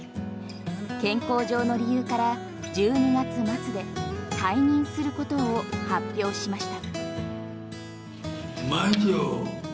健康上の理由から１２月末で退任することを発表しました。